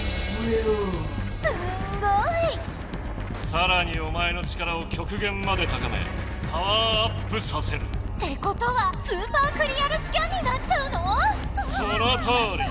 さらにおまえの力をきょくげんまで高めパワーアップさせる。ってことはスーパークリアルスキャンになっちゃうの⁉そのとおり！